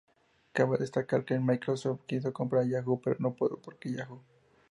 Cabe destacar que Microsoft quiso comprar Yahoo!, pero no pudo porque Yahoo!